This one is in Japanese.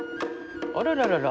あらららら。